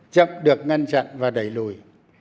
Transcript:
chậm được ngăn chặn và đẩy lùi